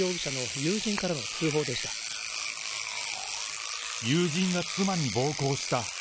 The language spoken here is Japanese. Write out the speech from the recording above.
友人が妻に暴行した。